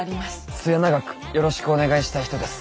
末永くよろしくお願いしたい人です。